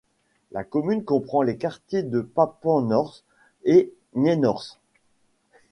La commune comprend les quartiers de Papenhorst et Nienhorst.